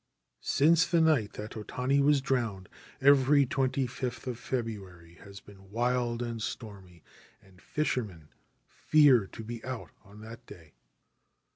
c Since the night that O Tani was drowned, every 25th of February has been wild and stormy, and fishermen fear to be out on that day.